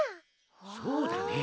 そうだね。